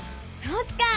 そっか！